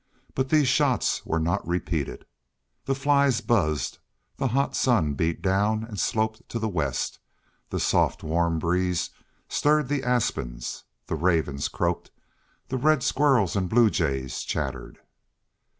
But these shots were not repeated. The flies buzzed, the hot sun beat down and sloped to the west, the soft, warm breeze stirred the aspens, the ravens croaked, the red squirrels and blue jays chattered.